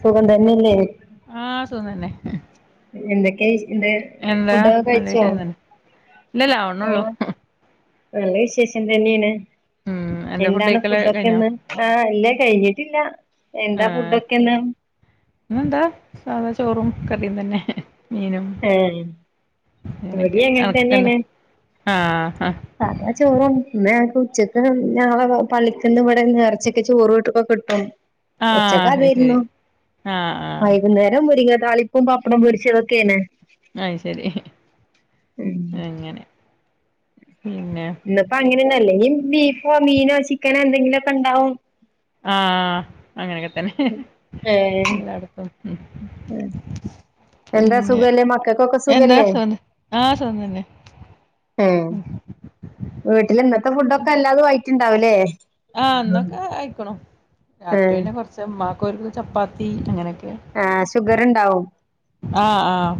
സുഖം തന്നെല്ലേ. ആഹ് സുഖം തന്നെ. എന്താ എന്തൊക്കെണ്ട്‌-ഫുഡൊക്കെ നല്ല കഴിച്ചോ വിശേഷം തന്നെ ഇല്ലല്ല ആവണുള്ളൂ ആഹ് നല്ല വിശേഷം തന്നെണ്. ഉം എന്റെ ഫുഡ് എന്താണ് കഴിക്കല് കഴിഞ്ഞോ ഫുഡൊക്കെന്ന് ആഹ് ഇല്ല കഴിഞ്ഞിട്ടില്ല. എന്താ ഫുഡൊക്കെന്ന് ന്ന്‌ ന്താ സാദാ ചോറും കറിയും തന്നെ. മീനും ഏ ഇവിടെം അങ്ങനൊക്കെ അങ്ങനെ അനക്കെന്താ തന്നെണ് ആഹ് ആഹ് സാദാ ചോറും ന്ന്‌ ഞങ്ങക്ക് ഉച്ചക്ക് ഞങ്ങളെ പള്ളിക്കന്ന് ഇവടെ നേർചെക്ക്‌ ചോറ് കിട്ടുമ്പോ കിട്ടും. ഉച്ചക്ക്‌ ആഹ് അത് ശരി അതേരുന്നു ആഹ് ആഹ് വൈകുന്നേരം മുരിങ്ങാ താളി പ്പും പപ്പടം പൊരിച്ചതൊക്കെണ്‌. അഹ് ‌ ശരി. [unintelligible] അങ്ങനെ പിന്നെ. ഇന്ന്‌പ്പോ അങ്ങനെ അന്നെ അല്ലേ ഇഞ്ഞ് ബീഫോ മീനോ ചിക്കനോ എന്തെങ്കിലൊക്കെ ഇണ്ടാവും. ആഹ് അങ്ങനെക്കെ തന്നെ എല്ലാട്ത്തും. ഉം എന്താ സുഖല്ലേ മക് എന്താ സുഖന്നെ ആഹ് സുഖം തന്നെ ഉം വീട്ടില് ഇന്നത്തെ ഫുഡൊക്കെ എല്ലാതും ആയിട്ടുണ്ടാവുല്ലേ. ആഹ് ഇന്നൊക്കെ അയിക്ക്‌ണു രാത്രി ഏഹ് പിന്നെ കൊറച്ച് ഇമ്മാക്ക്‌ ഒരു ചപ്പാത്തി അങ്ങനെക്കെ ഏഹ് ഷുഗറ് ഉണ്ടാവും. ആഹ് ആഹ്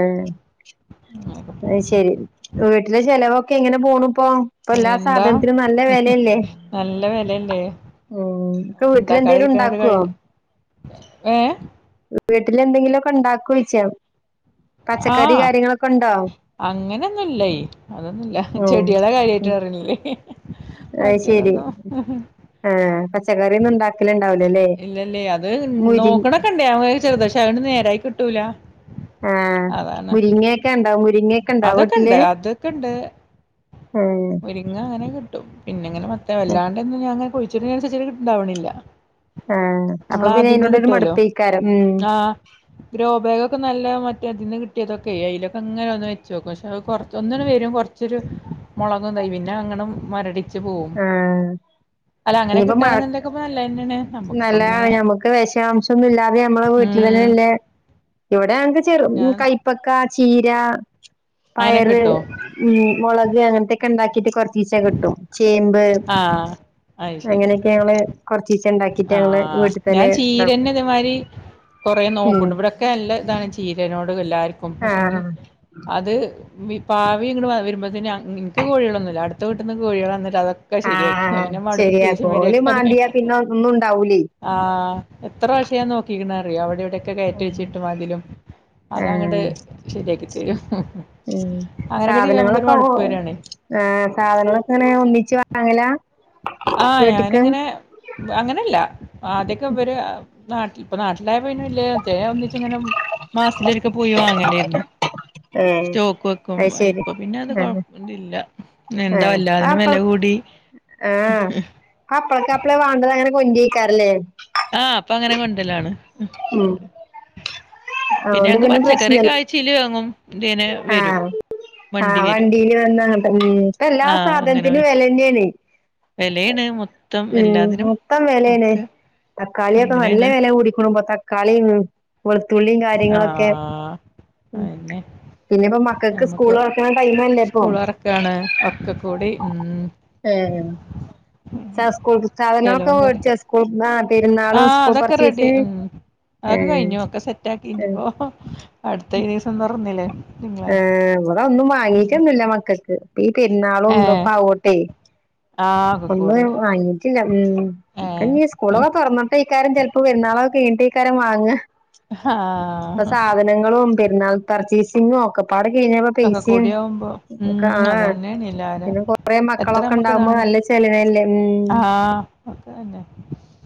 ഏഹ് അങ്ങനെയൊക്കെ ഏഹ് പോവും ശരി വീട്ടിലെ ചെലവൊക്കെ എങ്ങനെ പോണു ഇപ്പോ? ഇപ്പൊ പിന്നെ എല്ലാ എന്താ സാധനത്തിനും നല്ല വെലെ അല്ലേ. നല്ല വെലല്ലേ ഓഹ് ഇക്ക നമ്മള് വീട്ടിലെന്തേലും ഇണ്ടാക്കാതിരിക്കാനായിട്ട് ഇണ്ടാക്കോ? കഴിയില്ല ഏഹ് വീട്ടില് എന്തെങ്കിലൊക്കെ ഇണ്ടാക്കോയ്ച്ച്യ പച്ചക്കറി കാര്യങ്ങളൊക്കെ ഉണ്ടോ. അങ്ങനെൊന്നും ഇല്ലയ് അതൊന്നുല്ല ഉം ചെടിയളാ കാര്യായിട്ട് ഇവ്ടെല്ലേ. അയ്‌ ശരി ആഹ് പച്ചക്കറി ഒന്നും ഇണ്ടാ ക്ക്ല്ണ്ടാവുലല്ലേ മുരിൻ [unintelligible] ചെറുതാ പഷേ അതോണ്ട് നേരായി കിട്ടൂല. ആഹ് അതാണ് മുരിങ്ങെക്കെ ഇണ്ടൊ മുരിങ്ങെക്കെ ഇണ്ടൊ വീട്ടില് അതൊക്കെണ്ട് അതൊക്കെണ്ട് ഏഹ് മുരിങ്ങ അങ്ങനെ കിട്ടും പിന്നെങ്ങനെ മത്ത വല്ലാണ്ടെന്നും ഞാൻ അങ്ങനെ കുഴിച്ചിടിനനുസച്ച് കി ഇതാവണില്ല. ആഹ് അപ്പൊ പിന്നെ അയിനോട് ഒരു കിട്ടുവല്ലോ മടുപ്പെയ്ക്കാരം ഉം ആഹ് ഗ്രോ ബാഗെക്കെ നല്ല മറ്റേ ഇതിന്ന് കിട്ടീയതൊക്കെ എയ്ലൊക്കെ അങ്ങനെ ഒരോന്ന് വെച്ചോക്കും പക്ഷെ അയ്‌ കൊറച്ച് ഒന്ന്ണ് ‌ വരും കൊർ ചൊരു മൊളകും തൈ പിന്നെ അങ്ങനെ മൊരടി ച്ച് പോവും ആഹ് അല്ല അങ്ങനെ കിട്ടാണ്ന്ന്ണ്ടെങ്കിപ്പൊ നല്ലേന്നെണ്. നല്ലതാ ഞമ്മക്ക് വെഷാംശൊന്നും ഇല്ലാതെ ഞമ്മളെ ഉം വീട്ടിലെന്നെല്ല ഇവിടെ ഞങ്ങക്ക് ചെറു ഞാൻ കൈപ്പക്ക ചീര അങ്ങനെ പയറ് കിട്ടോ ഉം മൊളക് അങ്ങൻത്തൊക്കെ ഇണ്ടാക്കിട്ട് കൊറച്ചീചെ കിട്ടും ചേമ്പ് ആഹ് അങ്ങനെയൊക്കെ ഞങ്ങള് കൊറച്ചീച്ചണ്ടാക്കി ആഹ് ഞാൻ ചീരന്നെ ഇതെ മായിരി കൊറേ ഉം നോക്കൂട്ടൊ ഇബടെക്കെ നല്ല ഇതാണ് ചീരനോട് എല്ലാർക്കും പക്ഷെങ്കി ആഹ് അത് വി പാവി ഇങ്ങട്ട് വ വരുമ്പോഴ്ത്തിന് അ ഇൻക്ക് കോഴികളൊന്നുല്ല അടുത്ത വീട്ട്ന്ന് കോഴികള് വന്നിട്ട് അതൊ ഒക്കെ ശരി ആയി അപ്പ ആഹ് പിന്നെ മടു ശരിയാക്കും ദേഷ്യം ഓല് വരൊക്ക മാന്തിയാ പിന്നെ ഒന്നും ഉണ്ടാവൂലെ ആഹ് എത്ര പ്രാവ്ശ്യം ഞാൻ നോക്കിക്ക്ണ് അറിയോ അവിടെ ഇവിടെ ഒ ഒക്കെ കയറ്റി വെച്ചിട്ടും അതിലും അതങ്ങട്ട് ആഹ് ശരിയാക്കി തരും ഉം അങ്ങനെയൊക്കെ ചെയ്യുമ്പോൾ നമുക്കൊരു സാധനങ്ങളൊക്കെ ഒ മടുപ്പ് ഒ വരികയാണ് ഏഹ് സാധനങ്ങളൊക്കെങ്ങനെ ഒന്നിച്ച് വെ വാങ്ങലാ വീട്ട്ക്ക് വ് അങ്ങനെല്ല ആദ്യൊക്കെ ഇവര് അ നാട്ടിൽ ഇപ്പൊ നാട്ടിലായപ്പോ പിന്നെ വല്ല്യ ഇതുവരെ ഒന്നിച്ച് ഇങ്ങനെ മാസത്തിലൊരിക്കെ പോയി വാങ്ങലായിരുന്നു ഏഹ് സ്റ്റോക്ക് വെക്കും അത് ശരി ഇപ്പൊ പിന്നെ അത് ആഹ് കൊഴപ്പന്നുല്ല ഇന്ന് എന്താ ആഹ് എല്ലാതിനും അപ്പ വെല കൂടി. ആഹ് അപ്പളക്ക അപ്പളെ വേണ്ടത് അങ്ങനെ കൊണ്ട്രെയ്ക്കാരല്ലേ ആഹ് അപ്പൊ അങ്ങനെ കൊണ്ടലാണ് പിന്നെ അതുകൊണ്ട് ഞങ്ങക്ക് പച്ചക്കറൊക്കെ പ്രശ്നല്ല ആയി ചില വാങ്ങും ന്തന [unintelligible] ആഹ് ആഹ് വണ്ടിയില് വന്നങ്ങട്ടെ ഉ എല്ലാ ആ അങ്ങനെ സാധനത്തിനും വലന്നേണെ. വെലയാണ് മൊത്തം ഉം എല്ലാതിനും മൊത്തം വെലേണ് ഒക്കെ തക്കാളിയൊക്കെ നല്ല അങ്ങനെയാണ് വില കൂടിക്കണ്പോ തക്കാളിയും വെളുത്തുള്ളിയും ആ കാര്യങ്ങളൊക്കെ ഉം അതെന്നെ പിന്നെപ്പോ മക്കൾക്ക് സ്കൂൾ തുറക്കണ ടൈം അല്ലേപ്പൊ. കണ് ഒക്കെ കൂടി ഉ ആഹ് ച സ്കൂൾ സാധനമക്കെ ചെലവും കാര്യം മേടിച്ച സ്കൂൾ [unintelligible] ആഹ് സ്കൂൾ അതൊക്കെ റെഡി ആയി പർച്ചേസിന് ഉ അതൊക്കെ ഏഹ് കഴിഞ്ഞു ഒക്കെ സെറ്റ് ആക്കി ഏഹ് ഇനിപ്പോ അടുത്തദിവസംതെറന്നിലെ ഏ ഇവിടൊന്നും വാങ്ങീട്ടൊന്നില്ല മക്കൾക്ക് അപ്പ ഈ പെരുന്നാളും ഇന്തൊക്കെ ആവോണ്ടെ ആഹ്ഒക്കെകൂടെ ഇല്ല ഉ ഒക്കെഞ്ഞ്സ്കൂളൊക്കെ തൊറന്നിട്ട് അക്കാരം ചെലപ്പോ പെരുന്നാളൊക്കെ കയ്ഞ്ഞിട്ട് അക്കാരം വാങ്ങ് ഇപ്പൊ ആഹ് സാധനങ്ങളും പെരുന്നാൾ പർച്ചേസിങ്ങും ഒക്കെപ്പാടെകഴിഞ്ഞ ഒക്കെ പേസിയും കൂടിയാവുമ്പോ ഒക്കെ ഉം ആഹ് അതന്നെയാണ് എല്ലാരും പിന്നെ കൊറേ എത്ര മക്കളൊക്കെ നമുക്ക് ഉണ്ടാവുമ്പോ ഇതാണെങ്കി നല്ല ചെലവല്ലേ ഉ അതെന്നെ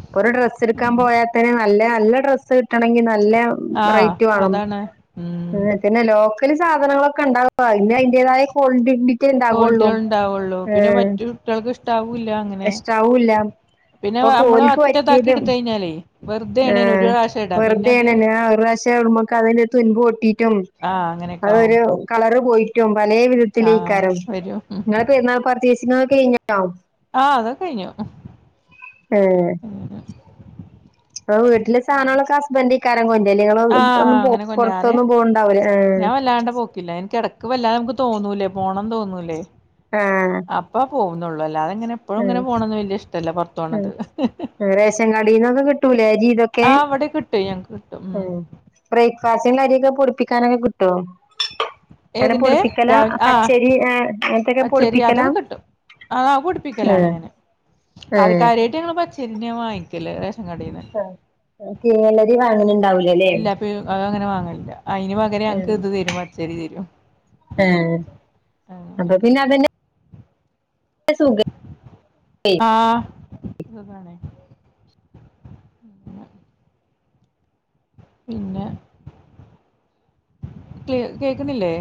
ഇപ്പൊ ഒരു ഡ്രസ്സ് എടുക്കാൻ പോയാത്തന്നെ നല്ല നല്ല ഡ്രസ്സ് കിട്ടണെങ്കിൽ നല്ല ആഹ് റേറ്റ് വേണം അതാണ് ഉം ഏഹ് പിന്നെ ലോക്കല് സാധനങ്ങളൊക്കെ ഉണ്ടാകുംഅതിന് അതിന്റേതായ ക്വാളിറ്റി ഇണ്ട് ക്വാളിറ്റികൾ ഉണ്ടാവുള്ളു പിന്നെ മറ്റു കുട്ടികൾക്ക് ഇഷ്ടാവുല്ല അങ്ങനെ ഇഷ്ടാവൂല്ല പിന്നെ ഇപ്പൊ നമ്മള് ഒറ്റതാക്കി എടുത്ത കഴിഞ്ഞാലേ വെറുതെയാണ് ഒരു ആഹ് പ്രാവശ്യം ഇടാ പിന്നെ അത് വെറുതെണ് ആ ഒരു പ്രാവശ്യംഇടുമ്പോയേക്ക് അയിന്റെ തുൻപ് പൊട്ടിട്ടും ആഹ് അങ്ങനൊക്ക ആ ഒരു കളറ് പോയിട്ടുംപലവിധ ആഹ് വിതത്തിലെയ്ക്കാരം വരും ഇങ്ങള പരുന്നാൾ പർചെയ്സിങ്ങേക്കെ കയിഞ്ഞോ ആഹ് അതൊക്കെ കഴിഞ്ഞു ഏ ങ്ങളെവീട്ടിലെ സാധനങ്ങളൊക്കെ ഹസ്ബൻഡയ്ക്കാരം കൊന്ണ്ടരലെ ആഹ് ഒന്നും അങ്ങനെ കൊ ഞാന് പൊറത്തൊന്നും പോകണ്ടാവുല്ല ഹേ ഞാൻ വല്ലാണ്ട് പോ പില്ല എനിക്ക് എടക്ക് വല്ലാ നമുക്ക് തോന്നൂലേ പോണംന്തോന്നൂലേ ആഹ് അപ്പ പോകുന്നുള്ളൂ അല്ലാതെങ്ങെപ്പോഴുങ്ങനെ ഏഹ് പോകണന്ന് വലിയ ഇഷ്ടമല്ല പ പുറത്ത പോണത് ഏഹ് റേഷൻ കാർഡിനിന്നൊക്ക കിട്ടൂലേ അരി ആഹ് അവിടെ കിട്ടും ഞങ്ങക്ക് കിട്ടും ഉ ബ്രേക്ക്ഫാസ്റ്റിന്റെ അരിയൊക്കെ പൊടിപ്പിക്കാനൊക്കെ കിട്ടൊ അങ്ങനെ ഏതിന്റെ പൊടിപ്പിക്കല രാവിലെ ആഹ് പച്ചരി അങ്ങനത്തൊക്കെ പൊടിപ്പിക്കല ആ പൊടിപ്പികലാണ് ആഹ് ഞാന് അത് ആഹ് കാര്യായിട്ട് ഞങ്ങള് പച്ചരിന്ന വാങ്ങിക്കല് റേഷൻകടേന് ആ [unintelligible] വാങ്ങനണ്ടാവൂല ഇല്ല അത ങ്ങനെ വാങ്ങലില്ല അതിന് പകരംഞങ്ങക് ക്ക് ഇത് തരും പച്ചേരി തരും ഏ അങ്ങനെ അപ്പൊ പിന്നെ അതന്നെ സുഖേ ആഹ് [unintelligible] പിന്നെ കേ കേൾക്കുന്നില്ലേ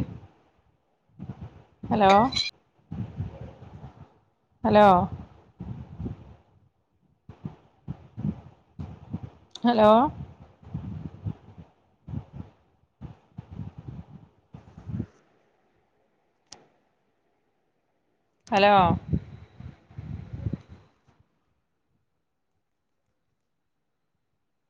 ഹലോ ഹലോ ഹലോ ഹലോ